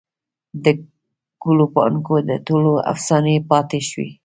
دګلو پاڼوکې دټولو افسانې پاته شوي